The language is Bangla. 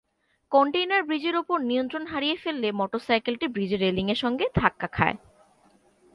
কনটেইনার ব্রিজের ওপর নিয়ন্ত্রণ হারিয়ে ফেললে মোটরসাইকেলটি ব্রিজের রেলিংয়ের সঙ্গে ধাক্কা খায়।